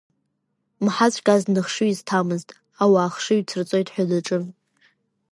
Мҳаҵәк азна ахшыҩ изҭамызт, ауаа ахшыҩ дсырҵоит ҳәа даҿын!